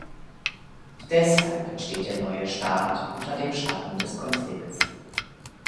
Deshalb entsteht der neue Staat unter dem Schatten des Konflikts.